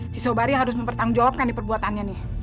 si sobari harus mempertanggung jawabkan di perbuatannya nih